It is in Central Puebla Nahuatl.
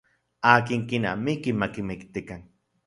Akin kinamiki makimiktikan.